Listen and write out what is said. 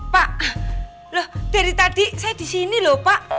pak loh dari tadi saya di sini loh pak